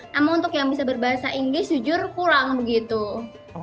namun untuk yang bisa berbahasa inggris jujur pulang begitu